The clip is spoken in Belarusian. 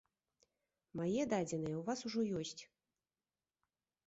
Мае дадзеныя ў вас ужо ёсць.